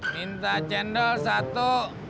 minta cendol satu